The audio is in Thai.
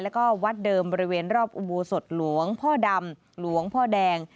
แล้วก็วัดเดิมบริเวณรอบอุโบสถหลวงพ่อดำหลวงพ่อแดง